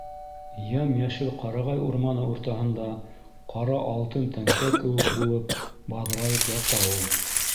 Йәм-йәшел ҡарағай урманы уртаһында, ҡара алтын тәңкә кеүек булып, баҙрайып ята ул...